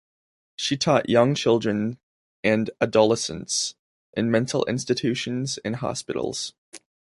She taught young children and adolescents in mental institutions and hospitals.